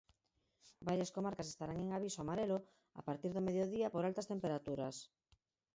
Varias comarcas estarán en aviso amarelo a partir do mediodía por altas temperaturas.